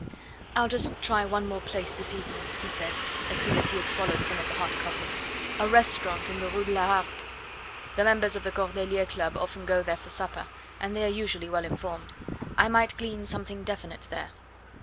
"I'll just try one more place this evening," he said as soon as he had swallowed some of the hot coffee "a restaurant in the Rue de la Harpe; the members of the Cordeliers' Club often go there for supper, and they are usually well informed. I might glean something definite there."